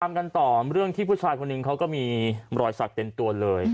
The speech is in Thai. กันต่อเรื่องที่ผู้ชายคนหนึ่งเขาก็มีรอยสักเต็มตัวเลย